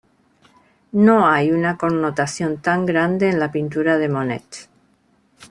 No hay una connotación tan grande en la pintura de Manet..